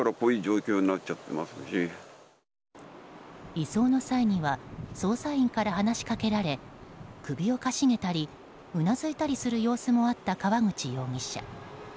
移送の際には捜査員から話しかけられ首を傾げたりうなずいたりする様子もあった川口容疑者。